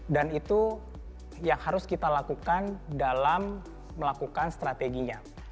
dan itu yang harus kita lakukan dalam melakukan strateginya